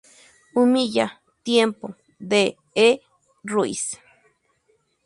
Humilla, Tiempo, de E. Ruiz.